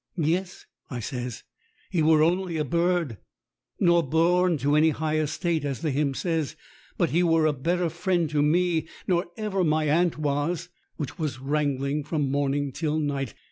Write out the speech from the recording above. "Yes," I says, "he were only a bird, nor born to any high estate, as the hymn says, but he were a better friend to me nor ever my aunt was, which was wrang ling from morning till night.